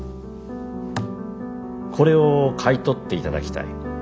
これを買い取っていただきたい。